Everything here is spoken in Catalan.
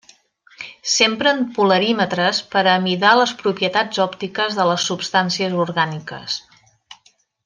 S'empren polarímetres per a amidar les propietats òptiques de les substàncies orgàniques.